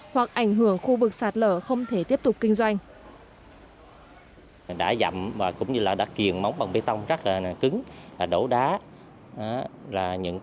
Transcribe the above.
hoặc ảnh hưởng khu vực sạt lở không thể tiếp tục kinh doanh